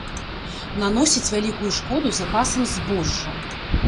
Наносіць вялікую шкоду запасам збожжа.